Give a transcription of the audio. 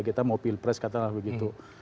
kita mau pilpres katakanlah begitu